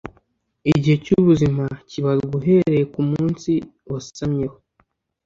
igihe cy ubuzima kibarwa uhereye ku munsi wasamyeho